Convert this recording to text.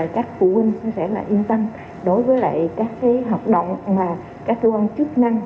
các phụ huynh sẽ yên tâm đối với các hợp động mà các tư vấn chức năng